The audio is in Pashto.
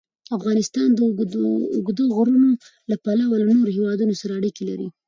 افغانستان د اوږده غرونه له پلوه له نورو هېوادونو سره اړیکې لري.